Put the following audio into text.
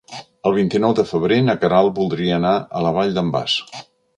El vint-i-nou de febrer na Queralt voldria anar a la Vall d'en Bas.